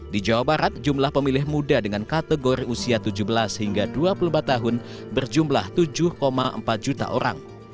di jawa barat jumlah pemilih muda dengan kategori usia tujuh belas hingga dua puluh empat tahun berjumlah tujuh empat juta orang